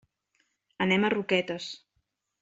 Anem a Roquetes.